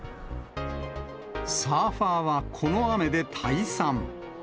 サーファーはこの雨で退散。